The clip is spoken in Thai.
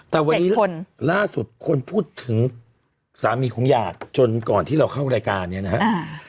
แต่วันนี้คนล่าสุดคนพูดถึงสามีของหยาดจนก่อนที่เราเข้ารายการเนี่ยนะครับ